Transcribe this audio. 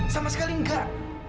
sama sekali enggak